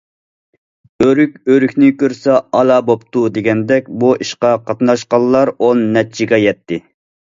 « ئۆرۈك- ئۆرۈكنى كۆرسە ئالا بوپتۇ» دېگەندەك، بۇ ئىشقا قاتناشقانلار ئون نەچچىگە يەتتى.